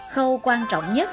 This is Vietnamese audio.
khâu quan trọng nhất